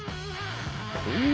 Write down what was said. うん。